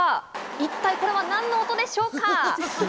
一体これは何の音でしょうか？